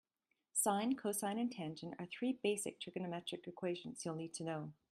Sine, cosine and tangent are three basic trigonometric equations you'll need to know.